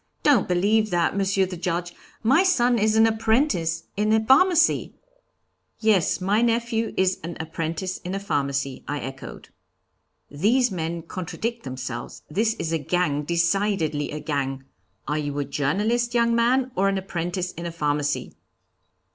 Don't believe that, Monsieur the Judge, my son is an apprentice in a pharmacy.' 'Yes, my nephew is an apprentice in a pharmacy,' I echoed. 'These men contradict themselves; this is a gang, decidedly a gang are you a journalist, young man, or an apprentice in a pharmacy?'